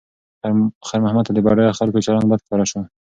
خیر محمد ته د بډایه خلکو چلند بد ښکاره شو.